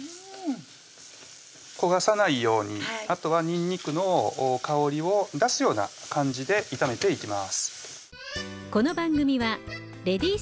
焦がさないようにあとはにんにくの香りを出すような感じで炒めていきます